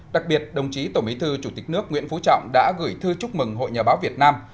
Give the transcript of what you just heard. đặc biệt đồng chí tổng bí thư chủ tịch nước nguyễn phú trọng đã gửi thư chúc mừng hội nhà báo việt nam